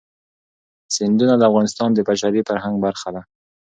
سیندونه د افغانستان د بشري فرهنګ برخه ده.